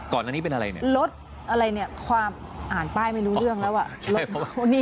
ก่อนอันนี้เป็นอะไรเนี่ย